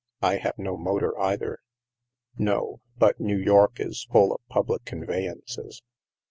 " I have no motor, either." No. But New York is full of public convey ances."